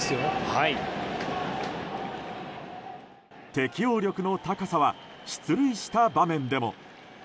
適応力の高さは出塁した場面でも。